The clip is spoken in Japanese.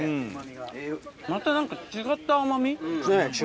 またなんか違った甘み。